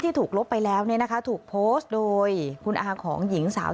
ที่ถูกลบไปแล้วถูกโพสต์โดยคุณอาร์ของหญิงสาว